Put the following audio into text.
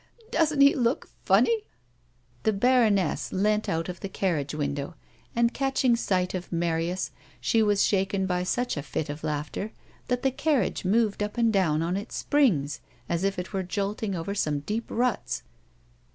Does doesu't he look fun funny l " The baroness leant out of the carriage window, and, catch ing sight of Marius, she was shaken by such a fit of laiaghter that the carriage moved up and down on its springs as if it were jolting over some deep ruts.